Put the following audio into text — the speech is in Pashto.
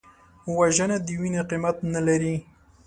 وژنه د وینې قیمت نه لري